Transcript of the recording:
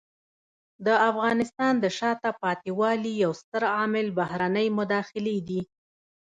د افغانستان د شاته پاتې والي یو ستر عامل بهرنۍ مداخلې دي.